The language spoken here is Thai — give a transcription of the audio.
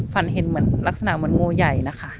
ฝันเห็นเหมือนลักษณะเหมือนงูใหญ่นะคะ